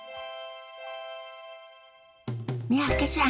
三宅さん